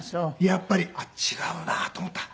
やっぱり違うなと思った。